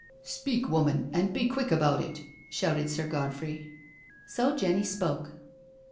" Speak, womaUj and be quick about it," shouted Sir Godfrey. So Jenny spoke.